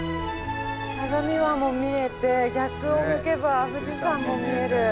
相模湾も見れて逆を向けば富士山も見える。